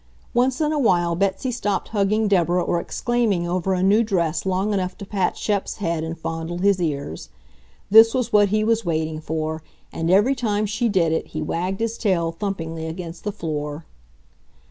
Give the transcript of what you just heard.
Once in a while Betsy stopped hugging Deborah or exclaiming over a new dress long enough to pat Shep's head and fondle his ears. This was what he was waiting for, and every time she did it he wagged his tail thumpingly against the floor.